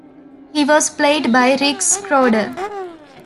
He was played by Rick Schroder.